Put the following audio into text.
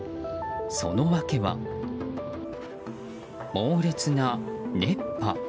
その訳は猛烈な熱波。